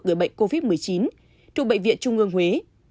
gửi bệnh covid một mươi chín trụ bệnh viện trung ương huế